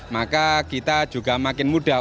maka kita juga makin mudah